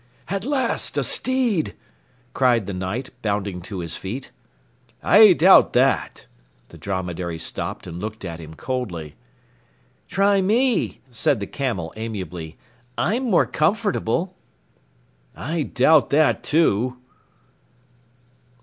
"At last! A steed!" cried the Knight, bounding to his feet. "I doubt that." The dromedary stopped and looked at him coldly. "Try me," said the camel amiably. "I'm more comfortable." "I doubt that, too."